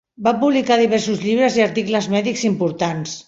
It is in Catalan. Va publicar diversos llibres i articles mèdics importants.